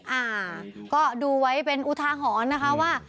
อ่าก็ดูไว้เป็นอุทาหรณ์นะคะว่า